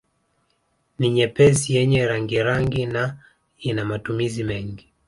Ni nyepesi yenye rangirangi na ina matumizi mengi